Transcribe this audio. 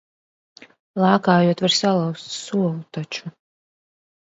Lēkājot var salauzt solu taču.